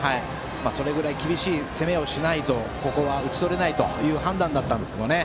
それぐらい厳しい攻めをしないとここは打ち取れないという判断でしたね。